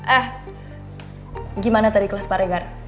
eh gimana tadi kelas parengan